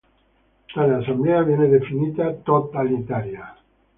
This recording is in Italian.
Tale assemblea viene definita "totalitaria".